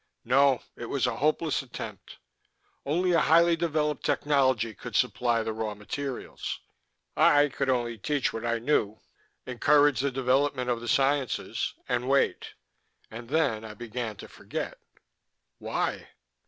"No. It was a hopeless attempt. Only a highly developed technology could supply the raw materials. I could only teach what I knew, encourage the development of the sciences, and wait. And then I began to forget." "Why?"